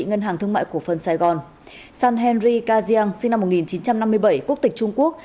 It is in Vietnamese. ngân hàng thương mại cổ phân sài gòn san henry kajian sinh năm một nghìn chín trăm năm mươi bảy quốc tịch trung quốc